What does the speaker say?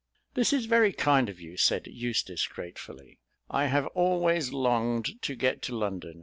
"This is very kind of you," said Eustace gratefully. "I have always longed to get to London.